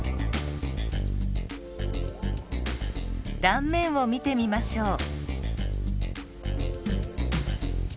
断面を見てみましょう。